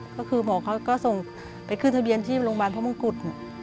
ก็คือหมอเขาก็ส่งไปขึ้นทะเบียนที่โรงพยาบาลพระมงกุฎ